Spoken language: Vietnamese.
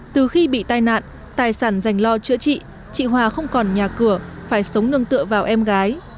từ khi bị tai nạn tài sản dành lo chữa trị chị hòa không còn nhà cửa phải sống nương tựa vào em gái